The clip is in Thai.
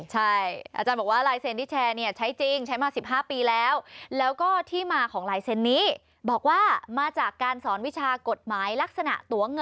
ใช่อาจารย์บอกว่าลายเซ็นท์ที่แชร์ใช้จริงใช้มา๑๕ปีแล้ว